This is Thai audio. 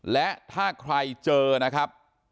และถ้าใครเจอนะครับ